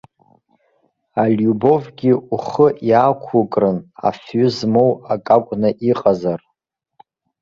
Алиубовгьы ухы иаақәукрын, афҩы змоу акы акәны иҟазар.